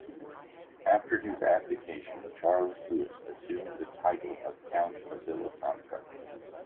After his abdication Charles Louis assumed the title of Count of Villafranca.